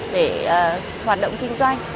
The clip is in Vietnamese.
để hoạt động kinh doanh